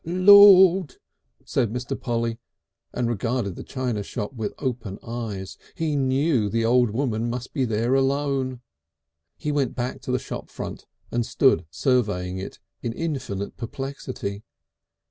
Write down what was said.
"Lord!" said Mr. Polly, and regarded the china shop with open eyes. He knew the old woman must be there alone. He went back to the shop front and stood surveying it in infinite perplexity.